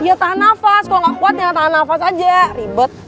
iya tahan nafas kalo gak kuat ya tahan nafas aja ribet